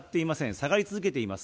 下がり続けています。